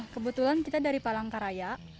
kebetulan kita dari palangkaraya